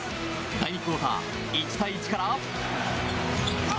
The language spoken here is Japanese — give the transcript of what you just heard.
第２クオーター１対１から。